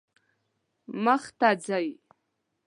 مخ ته ځئ